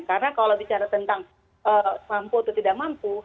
karena kalau bicara tentang mampu atau tidak mampu